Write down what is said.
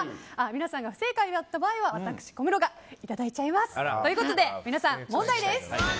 皆さんが不正解だった場合は私がいただいちゃいます。ということで皆さん、問題です。